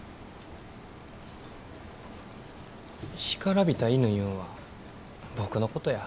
干からびた犬いうんは僕のことや。